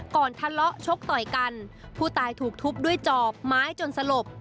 ทะเลาะชกต่อยกันผู้ตายถูกทุบด้วยจอบไม้จนสลบ